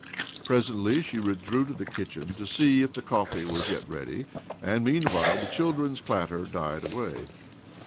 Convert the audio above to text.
Presently she withdrew to the kitchen to see if the coffee was yet ready, and, meanwhile, the children's clatter died away.